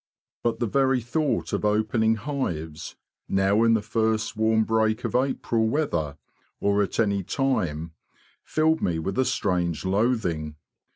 But the very thought of opening hives, now in the first warm break of April weather or at any time, filled me with a strange loathing.